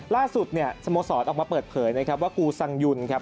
ล่าสุดเนี่ยสโมสรออกมาเปิดเผยนะครับว่ากูสังยุนครับ